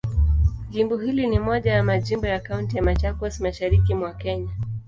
Jimbo hili ni moja ya majimbo ya Kaunti ya Machakos, Mashariki mwa Kenya.